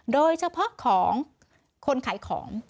โดยเฉพาะของคนขายของ